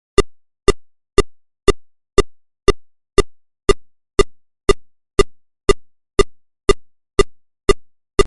The posad was the center of trade in Ancient Rus.